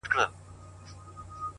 په خبرو په کیسو ورته ګویا سو!.